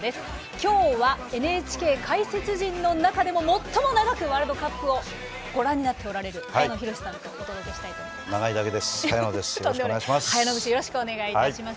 今日はＮＨＫ解説陣の中でも今日は最も長くワールドカップをご覧になっておられる早野宏史さんとお届けしたいと思います。